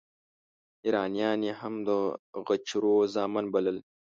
ایرانیان یې هم د غجرو زامن بلل.